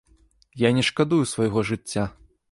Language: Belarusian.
Я не шкадую свайго жыцця!